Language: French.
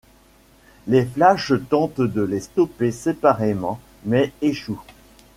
Les Flash tentent de les stopper séparément mais échouent.